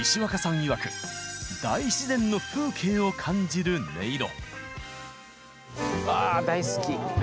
いわく大自然の風景を感じる音色。